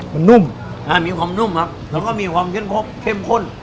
มันนุ่มอ่ามีความนุ่มครับแล้วก็มีความเข้มข้น